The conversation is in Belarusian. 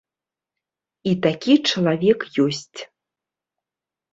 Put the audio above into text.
І такі чалавек ёсць.